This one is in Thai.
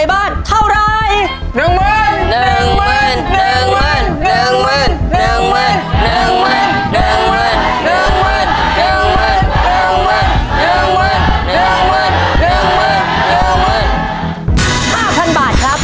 ๕๐๐บาทครับ